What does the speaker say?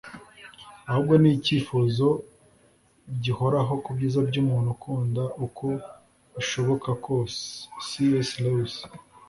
ahubwo ni icyifuzo gihoraho ku byiza by'umuntu ukunda uko bishoboka kose - c s lewis